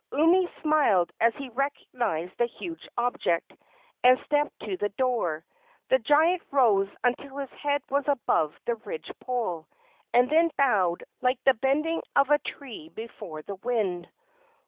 Umi smiled as he recognized the huge object, and stepped to the door. The giant rose until his head was above the ridge pole, and then bowed like the bending of a tree before the wind.